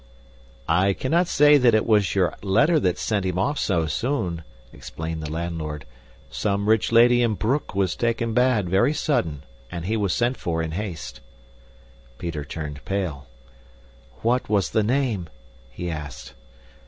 "I cannot say that it was your letter sent him off so soon," explained the landlord. "Some rich lady in Broek was taken bad very sudden, and he was sent for in haste." Peter turned pale. "What was the name?" he asked.